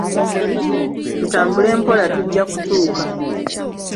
Tutambule mpola tujja kutuuka.